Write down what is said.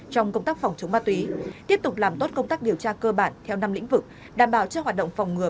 trong công tác phòng chống ma túy tiếp tục làm tốt công tác điều tra cơ bản theo năm lĩnh vực đảm bảo cho hoạt động phòng ngừa